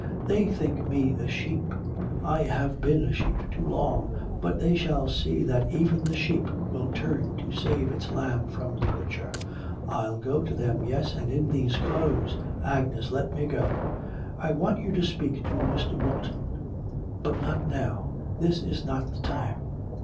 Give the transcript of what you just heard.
'They think me a sheep, I have been a sheep too long, but they shall see that even the sheep will turn to save its lamb from the butcher. I'll go to them, yes, and in these clothes Agnes, let me go.' 'I want you to speak to Mr. Moulton.... But not now, this is not the time.'